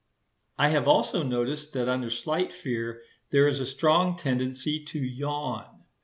I have also noticed that under slight fear there is a strong tendency to yawn.